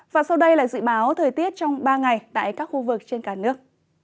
và sau đây là dự báo thời tiết trong ba ngày tại các khu vực trên cả nước